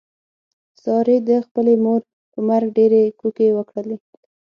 سارې د خپلې مور په مرګ ډېرې کوکې وکړلې.